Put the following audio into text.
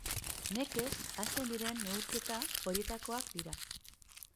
Nekez ahazten diren neurketa horietakoak dira.